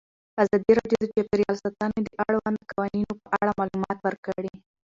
ازادي راډیو د چاپیریال ساتنه د اړونده قوانینو په اړه معلومات ورکړي.